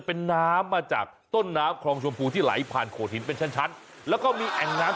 โอ้โฮบ่อยบิน